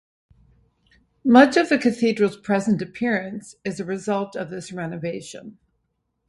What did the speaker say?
Much of the cathedral's present appearance is a result of this renovation.